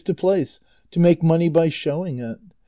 to place to make money by showing it.